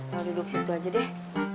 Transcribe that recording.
kalau duduk situ aja deh